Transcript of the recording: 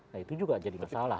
nah itu juga jadi masalah